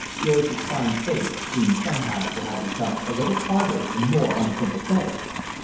Joyce's fine face seemed somehow to have become a little harder and more unsympathetic.